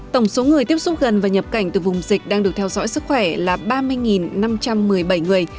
tổng số người tiếp xúc gần và nhập cảnh từ vùng dịch đang được theo dõi sức khỏe là ba mươi năm trăm một mươi bảy người